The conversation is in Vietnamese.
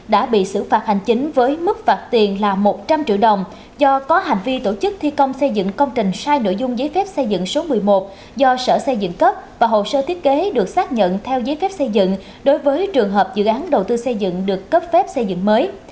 đã bị xử phạt hành chính với mức phạt tiền là một trăm linh triệu đồng do có hành vi tổ chức thi công xây dựng công trình sai nội dung giấy phép xây dựng số một mươi một do sở xây dựng cấp và hồ sơ thiết kế được xác nhận theo giấy phép xây dựng đối với trường hợp dự án đầu tư xây dựng được cấp phép xây dựng mới